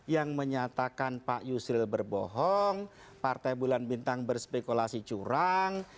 yang menyatakan pak yusril berbohong partai bulan bintang berspekulasi curang